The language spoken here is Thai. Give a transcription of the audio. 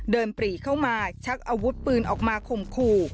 ปรีเข้ามาชักอาวุธปืนออกมาข่มขู่